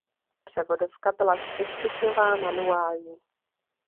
Převodovka byla čtyřstupňová manuální.